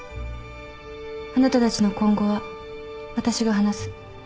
あなたたちの今後は私が話す。